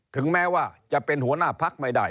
ถึงแม้ว่าจะเป็นหัวหน้าพักไม่ได้